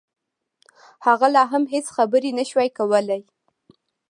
هغه لا هم هېڅ خبرې نشوای کولای